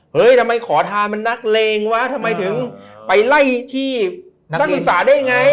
ทำไมขอทานมันนักเลงวะทำไมถึงไปไล่ที่นักศึกษาได้ไง